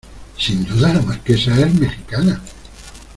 ¿ sin duda la Marquesa es mexicana?